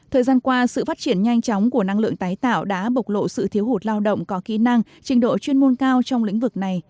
thời gian qua sự phát triển nhanh chóng của năng lượng tái tạo đã bộc lộ sự thiếu hụt lao động có kỹ năng trình độ chuyên môn cao trong lĩnh vực này